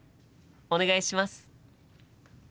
お願いします。